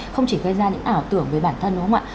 không chỉ gây ra những ảo tưởng về bản thân đúng không ạ